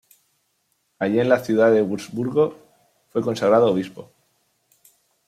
Allí en la ciudad de Wurzburgo fue consagrado obispo.